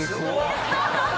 アハハハ！